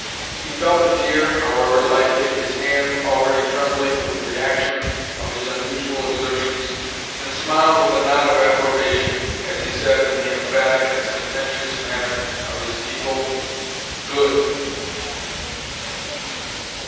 He felt the deer, however, lightly, his hand already trembling with the reaction of his unusual exertions, and smiled with a nod of approbation, as he said, in the emphatic and sententious manner of his people: "Good."